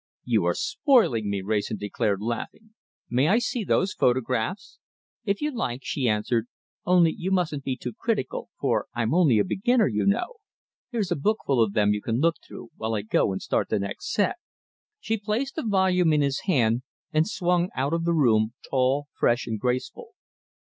"You are spoiling me," Wrayson declared, laughing. "May I see those photographs?" "If you like," she answered, "only you mustn't be too critical, for I'm only a beginner, you know. Here's a bookful of them you can look through, while I go and start the next set." She placed a volume in his hand and swung out of the room, tall, fresh, and graceful.